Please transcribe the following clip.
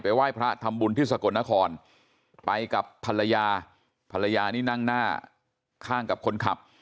ไหว้พระทำบุญที่สกลนครไปกับภรรยาภรรยานี่นั่งหน้าข้างกับคนขับ